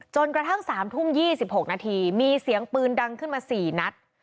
กระทั่ง๓ทุ่ม๒๖นาทีมีเสียงปืนดังขึ้นมา๔นัด